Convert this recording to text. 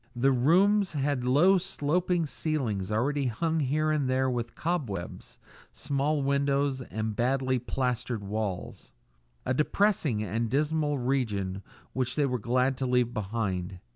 The rooms had low sloping ceilings already hung here and there with cobwebs, small windows, and badly plastered walls a depressing and dismal region which they were glad to leave behind.